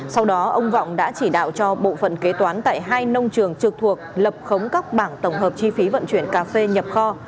sau đó ông vọng đã chỉ đạo cho bộ phận kế toán tại hai nông trường trực thuộc lập khống các bảng tổng hợp chi phí vận chuyển cà phê nhập kho